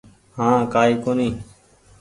هآنٚ ڪآئي ڪونيٚ